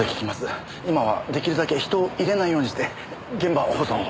今は出来るだけ人を入れないようにして現場保存を。